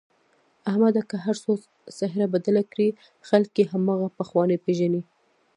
احمد که هرڅو څهره بدله کړي خلک یې هماغه پخوانی پېژني.